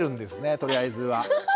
とりあえずは。